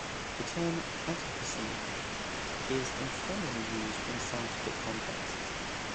The term "anthropocene" is informally used in scientific contexts.